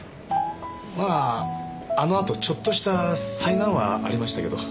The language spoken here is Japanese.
まああのあとちょっとした災難はありましたけど。